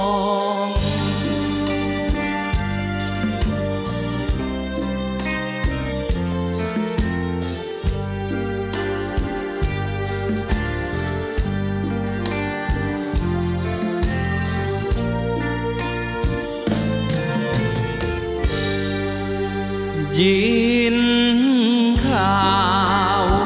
น้องบิ๊กแพทย์ดารา